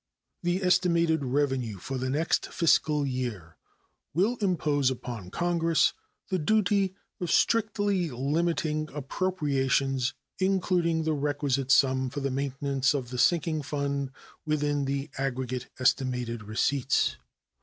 The estimated revenue for the next fiscal year will impose upon Congress the duty of strictly limiting appropriations, including the requisite sum for the maintenance of the sinking fund, within the aggregate estimated receipts.